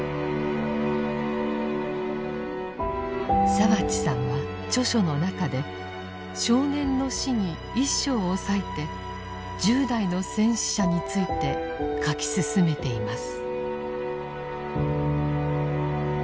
澤地さんは著書の中で「少年の死」に１章を割いて１０代の戦死者について書き進めています。